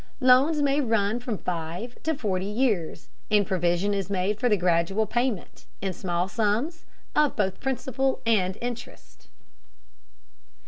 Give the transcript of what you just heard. Loans may run from five to forty years, and provision is made for the gradual payment, in small sums, of both principal and interest.